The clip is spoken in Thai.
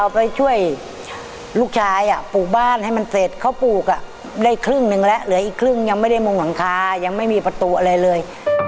ไปช่วยลูกชายปลูกบ้านให้มันเสร็จเขาปลูกได้ครึ่งหนึ่งแล้วเหลืออีกครึ่งยังไม่ได้มงหลังคายังไม่มีประตูอะไรเลย